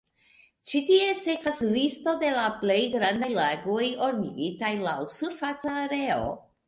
Ĉi tie sekvas listo de la plej grandaj lagoj, ordigitaj laŭ surfaca areo.